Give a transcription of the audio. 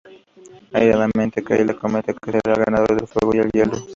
Airadamente, Kayla comenta que será el ganador del a fuego y hielo.